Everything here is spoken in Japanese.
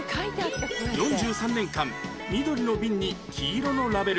４３年間緑の瓶に黄色のラベル